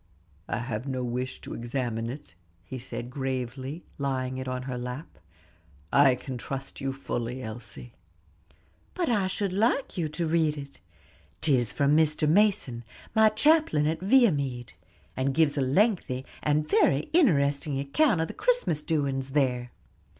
"I have no wish to examine it," he said gravely, laying it on her lap. "I can trust you fully, Elsie." "But I should like you to read it; 'tis from Mr. Mason, my chaplain at Viamede, and gives a lengthy, and very interesting account of the Christmas doings there."